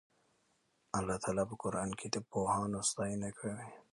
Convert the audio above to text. الله تعالی په قرآن کې د پوهانو ستاینه کړې ده.